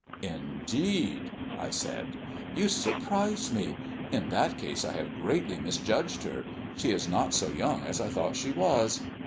"Indeed!" I said. "You surprise me. In that case I have greatly misjudged her. She is not so young as I thought she was."